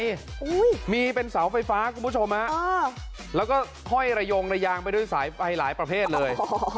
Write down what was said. โอ้โหมีเป็นเสาไฟฟ้าคุณผู้ชมฮะแล้วก็ห้อยระยงระยางไปด้วยสายไฟหลายประเภทเลย